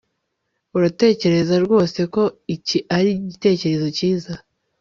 uratekereza rwose ko iki ari igitekerezo cyiza